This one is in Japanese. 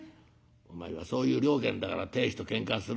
「お前はそういう了見だから亭主とけんかするんだよ。